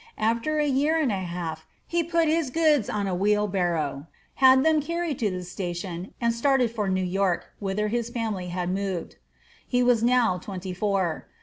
After a year and a half he put his goods on a wheelbarrow, had them carried to the station, and started for New York, whither his family had moved. He was now twenty four.